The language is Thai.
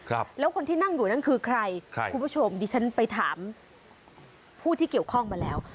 ครับแล้วคนที่นั่งอยู่นั่นคือใครครับคุณผู้ชมดิฉันไปถามผู้ที่เกี่ยวข้องมาแล้ว